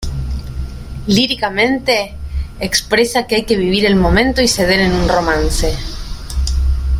Líricamente, expresa que hay que vivir el momento y ceder en un romance.